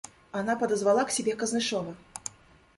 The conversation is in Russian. Она подозвала к себе Кознышева.